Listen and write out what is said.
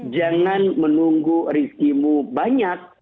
jangan menunggu rizkimu banyak